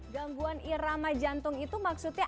oke gangguan irama jantung itu maksudnya apa